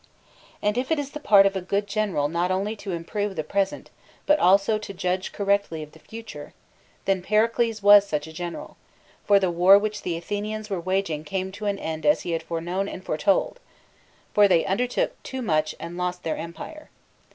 And if it is the part of a good general not only to improve the present, but also to judge correctly of the future, then Pericles was such a general, for the war which the Athenians were waging came to an end as he had foreknown / and foretold ; for they undertook too much and lost their empire.